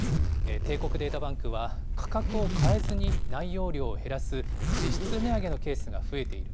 帝国データバンクは、価格を変えずに内容量を減らす実質値上げのケースが増えている。